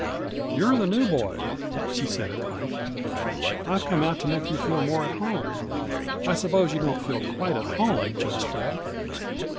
"You're the new boy," she said at length. "I've come out to make you feel more at home. I suppose you don't feel quite at home just yet?"